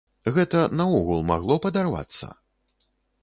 Гэта наогул магло падарвацца?